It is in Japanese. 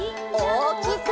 おおきく！